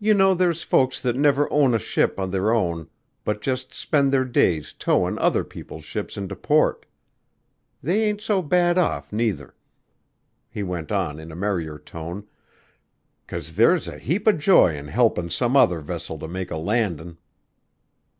You know there's folks that never own a ship of their own but just spend their days towin' other people's ships into port. They ain't so bad off neither," he went on in a merrier tone, "'cause there's a heap of joy in helpin' some other vessel to make a landin'."